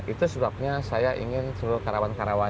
itu sebabnya saya ingin seluruh karyawan karyawan